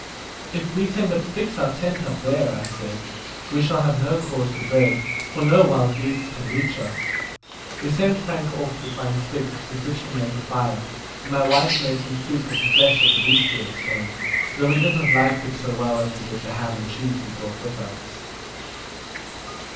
"If we can but fix our tent up there," I said, "we shall have no cause to dread, for no wild beasts can reach us." We sent Frank off to find sticks, with which to make a fire, and my wife made some soup of the flesh of the beast we had slain, though we did not like it so well as we did the ham and cheese we brought with us.